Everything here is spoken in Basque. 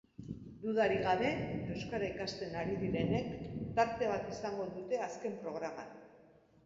Dudarik gabe, euskara ikasten ari direnek tarte bat izango dute azken programan.